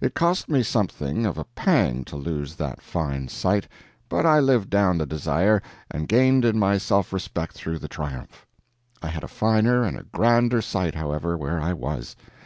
It cost me something of a pang to lose that fine sight, but I lived down the desire, and gained in my self respect through the triumph. I had a finer and a grander sight, however, where I was.